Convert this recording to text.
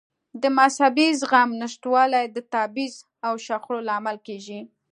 د مذهبي زغم نشتوالی د تبعیض او شخړو لامل کېږي.